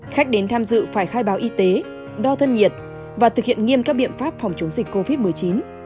khách đến tham dự phải khai báo y tế đo thân nhiệt và thực hiện nghiêm các biện pháp phòng chống dịch covid một mươi chín